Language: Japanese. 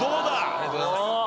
ありがとうございます。